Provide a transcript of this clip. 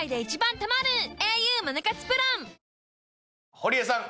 堀江さん